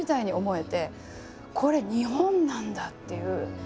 「これ日本なんだ！」っていう。